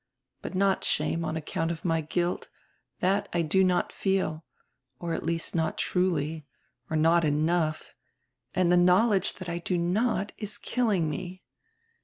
But not shame on account of my guilt— that I do not feel, or at least not truly, or not enough, and the knowledge that I do not is killing me.